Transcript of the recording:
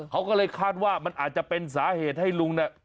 เขาก็เลยคาดว่ามันอาจจะเป็นสาเหตุให้ลุงเนี่ย